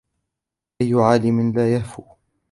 أَيُّ عَالِمٍ لَا يَهْفُو